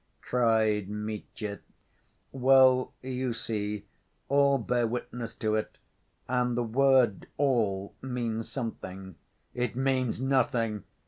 cried Mitya. "Well, you see, all bear witness to it. And the word all means something." "It means nothing.